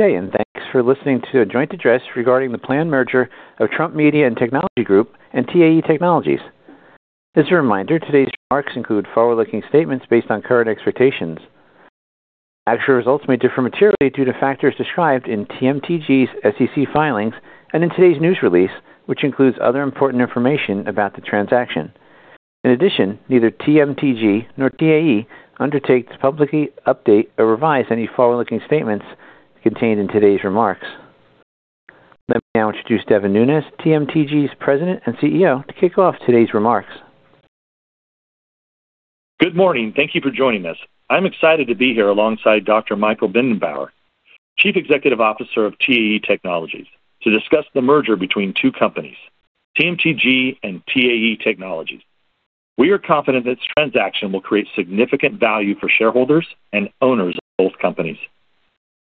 Good day, and thanks for listening to a joint address regarding the planned merger of Trump Media & Technology Group and TAE Technologies. As a reminder, today's remarks include forward-looking statements based on current expectations. Actual results may differ materially due to factors described in TMTG's SEC filings and in today's news release, which includes other important information about the transaction. In addition, neither TMTG nor TAE undertakes to publicly update or revise any forward-looking statements contained in today's remarks. Let me now introduce Devin Nunes, TMTG's President and CEO, to kick off today's remarks. Good morning. Thank you for joining us. I'm excited to be here alongside Dr. Michl Binderbauer, Chief Executive Officer of TAE Technologies, to discuss the merger between two companies, TMTG and TAE Technologies. We are confident this transaction will create significant value for shareholders and owners of both companies.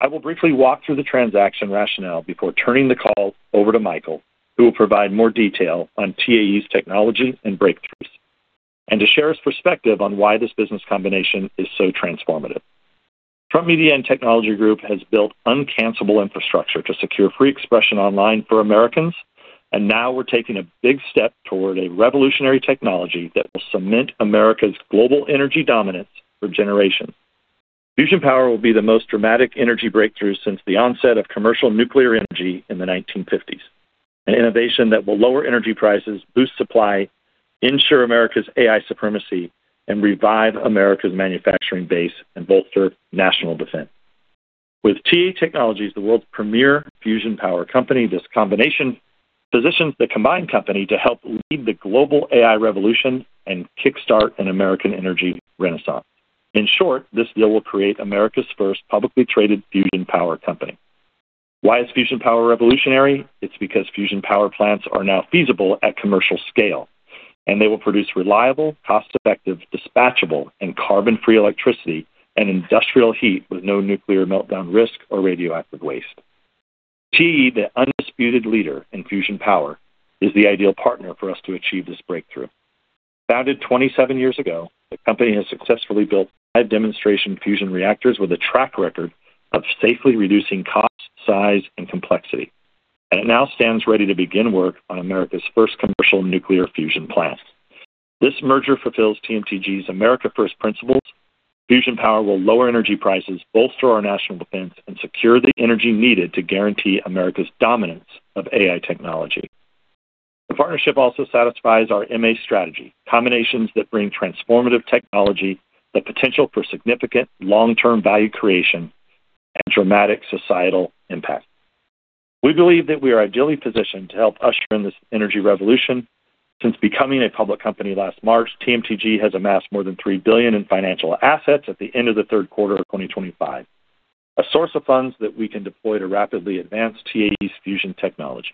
I will briefly walk through the transaction rationale before turning the call over to Michl, who will provide more detail on TAE's technology and breakthroughs, and to share his perspective on why this business combination is so transformative. Trump Media & Technology Group has built uncancelable infrastructure to secure free expression online for Americans, and now we're taking a big step toward a revolutionary technology that will cement America's global energy dominance for generations. Fusion power will be the most dramatic energy breakthrough since the onset of commercial nuclear energy in the 1950s, an innovation that will lower energy prices, boost supply, ensure America's AI supremacy, and revive America's manufacturing base and bolster national defense. With TAE Technologies, the world's premier fusion power company, this combination positions the combined company to help lead the global AI revolution and kickstart an American energy renaissance. In short, this deal will create America's first publicly traded fusion power company. Why is fusion power revolutionary? It's because fusion power plants are now feasible at commercial scale, and they will produce reliable, cost-effective, dispatchable, and carbon-free electricity and industrial heat with no nuclear meltdown risk or radioactive waste. TAE, the undisputed leader in fusion power, is the ideal partner for us to achieve this breakthrough. Founded 27 years ago, the company has successfully built five demonstration fusion reactors with a track record of safely reducing cost, size, and complexity, and it now stands ready to begin work on America's first commercial nuclear fusion plants. This merger fulfills TMTG's America First principles: fusion power will lower energy prices, bolster our national defense, and secure the energy needed to guarantee America's dominance of AI technology. The partnership also satisfies our M&A strategy: combinations that bring transformative technology, the potential for significant long-term value creation, and dramatic societal impact. We believe that we are ideally positioned to help usher in this energy revolution. Since becoming a public company last March, TMTG has amassed more than $3 billion in financial assets at the end of the third quarter of 2025, a source of funds that we can deploy to rapidly advance TAE's fusion technology.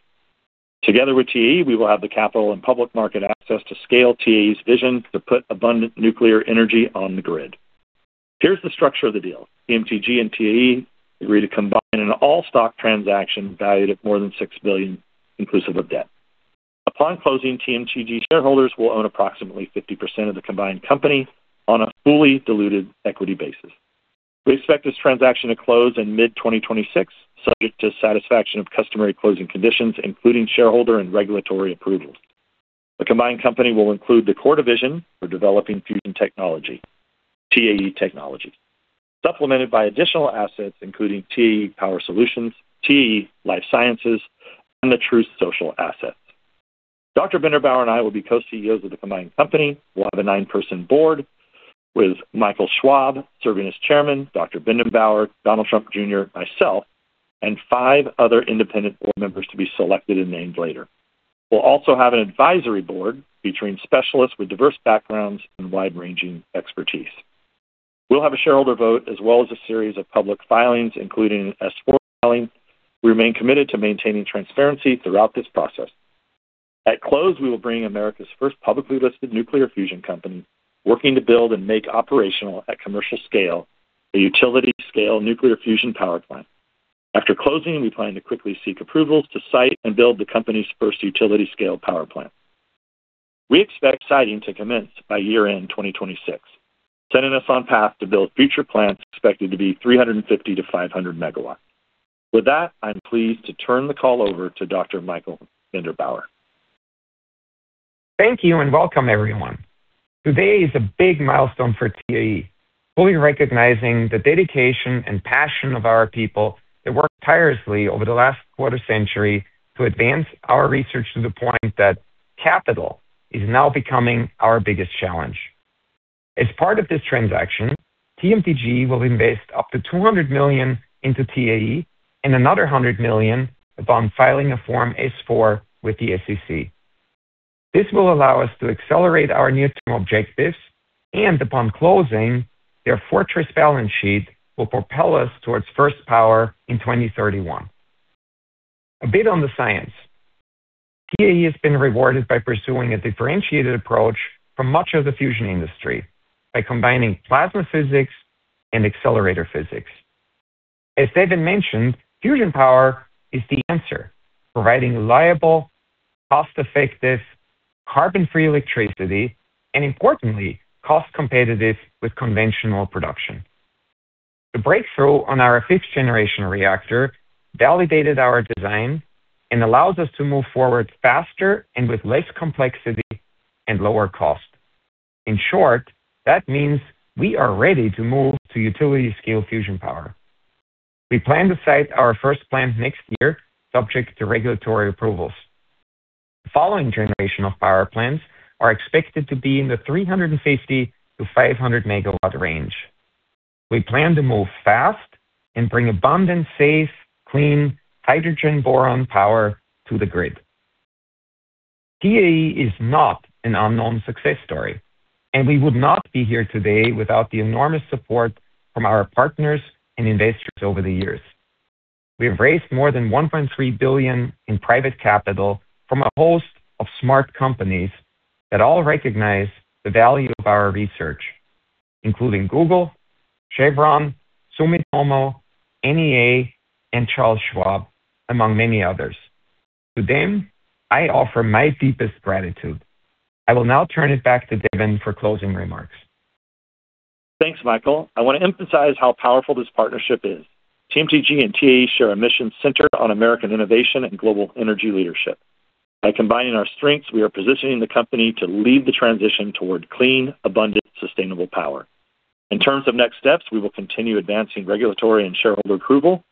Together with TAE, we will have the capital and public market access to scale TAE's vision to put abundant nuclear energy on the grid. Here's the structure of the deal: TMTG and TAE agree to combine in an all-stock transaction valued at more than $6 billion, inclusive of debt. Upon closing, TMTG shareholders will own approximately 50% of the combined company on a fully diluted equity basis. We expect this transaction to close in mid-2026, subject to satisfaction of customary closing conditions, including shareholder and regulatory approvals. The combined company will include the core division for developing fusion technology, TAE Technologies, supplemented by additional assets including TAE Power Solutions, TAE Life Sciences, and the Truth Social assets. Dr. Binderbauer and I will be co-CEOs of the combined company. We'll have a nine-person board with Michael Schwab serving as Chairman, Dr. Binderbauer, Donald Trump Jr., myself, and five other independent board members to be selected and named later. We'll also have an advisory board featuring specialists with diverse backgrounds and wide-ranging expertise. We'll have a shareholder vote as well as a series of public filings, including an S-4 filing. We remain committed to maintaining transparency throughout this process. At close, we will bring America's first publicly listed nuclear fusion company, working to build and make operational at commercial scale a utility-scale nuclear fusion power plant. After closing, we plan to quickly seek approvals to site and build the company's first utility-scale power plant. We expect siting to commence by year-end 2026, setting us on path to build future plants expected to be 350-500 megawatts. With that, I'm pleased to turn the call over to Dr. Michl Binderbauer. Thank you and welcome, everyone. Today is a big milestone for TAE, fully recognizing the dedication and passion of our people that worked tirelessly over the last quarter century to advance our research to the point that capital is now becoming our biggest challenge. As part of this transaction, TMTG will invest up to $200 million into TAE and another $100 million upon filing a Form S-4 with the SEC. This will allow us to accelerate our near-term objectives, and upon closing, their fortress balance sheet will propel us towards first power in 2031. A bit on the science: TAE has been rewarded by pursuing a differentiated approach from much of the fusion industry by combining plasma physics and accelerator physics. As Devin mentioned, fusion power is the answer, providing reliable, cost-effective, carbon-free electricity, and importantly, cost-competitive with conventional production. The breakthrough on our fifth-generation reactor validated our design and allows us to move forward faster and with less complexity and lower cost. In short, that means we are ready to move to utility-scale fusion power. We plan to site our first plant next year, subject to regulatory approvals. The following generation of power plants are expected to be in the 350-500 megawatt range. We plan to move fast and bring abundant, safe, clean hydrogen-boron power to the grid. TAE is not an unknown success story, and we would not be here today without the enormous support from our partners and investors over the years. We have raised more than $1.3 billion in private capital from a host of smart companies that all recognize the value of our research, including Google, Chevron, Sumitomo, NEA, and Charles Schwab, among many others. To them, I offer my deepest gratitude. I will now turn it back to Devin for closing remarks. Thanks, Michl. I want to emphasize how powerful this partnership is. TMTG and TAE share a mission centered on American innovation and global energy leadership. By combining our strengths, we are positioning the company to lead the transition toward clean, abundant, sustainable power. In terms of next steps, we will continue advancing regulatory and shareholder approval.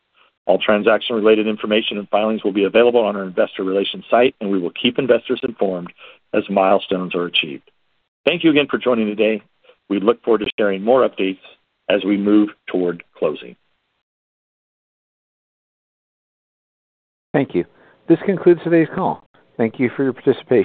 All transaction-related information and filings will be available on our investor relations site, and we will keep investors informed as milestones are achieved. Thank you again for joining today. We look forward to sharing more updates as we move toward closing. Thank you. This concludes today's call. Thank you for your participation.